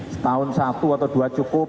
setahun satu atau dua cukup